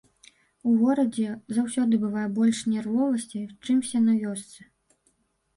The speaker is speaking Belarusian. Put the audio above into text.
У горадзе заўсёды бывае больш нервовасці, чымся на вёсцы.